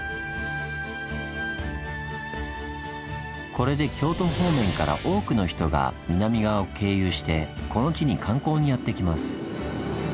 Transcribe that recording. これで京都方面から多くの人が南側を経由してこの地に観光にやって来ます。